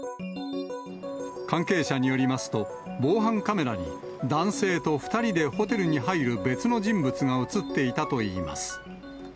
関係者によりますと、防犯カメラに、男性と２人でホテルに入る別の人物が写っていたといいます。